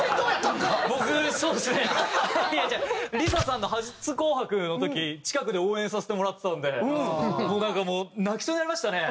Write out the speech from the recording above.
ＬｉＳＡさんの初『紅白』の時近くで応援させてもらってたんでなんかもう泣きそうになりましたね。